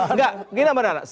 tidak gini mbak nana